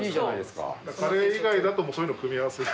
カレー以外だとそういうのを組み合わせて。